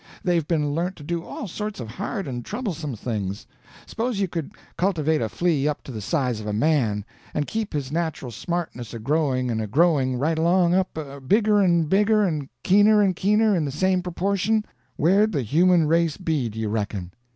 They've been learnt to do all sorts of hard and troublesome things. S'pose you could cultivate a flea up to the size of a man, and keep his natural smartness a growing and a growing right along up, bigger and bigger, and keener and keener, in the same proportion—where'd the human race be, do you reckon?